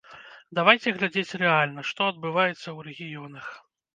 Давайце глядзець рэальна, што адбываецца ў рэгіёнах.